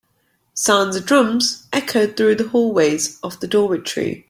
Sounds of drums echoed through the hallways of the dormitory.